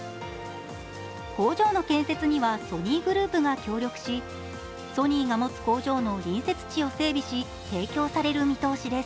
工場の建設にはソニーグループが協力し、ソニーが持つ工場の隣接地を整備し提供される見通しです。